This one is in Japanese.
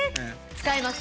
使えます。